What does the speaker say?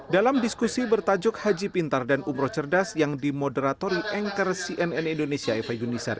dalam diskusi bertajuk haji pintar dan umroh cerdas yang dimoderatori anchor cnn indonesia eva yunisar